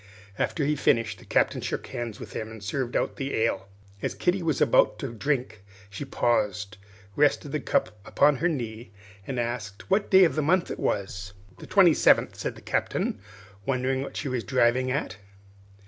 After he had finished, the Captain shook hands with him and served out the ale. As Kitty was about to drink, she paused, rested the cup on her knee, and asked what day of the month it was. "The twenty seventh," said the Captain, wondering what she was driving at.